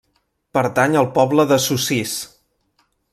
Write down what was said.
Pertany al poble de Sossís.